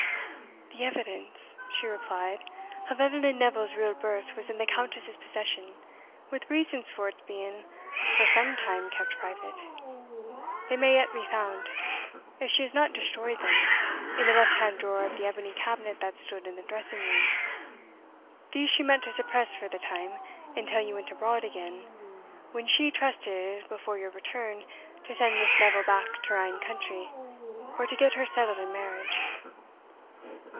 "The evidence," she replied, "of Eveline Neville's real birth was in the Countess's possession, with reasons for its being for some time kept private; they may yet be found, if she has not destroyed them, in the left hand drawer of the ebony cabinet that stood in the dressing room. These she meant to suppress for the time, until you went abroad again, when she trusted, before your return, to send Miss Neville back to her ain country, or to get her settled in marriage."